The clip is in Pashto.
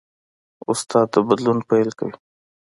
استاد د بدلون پیل کوي.